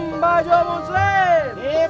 di bajuan di bajuan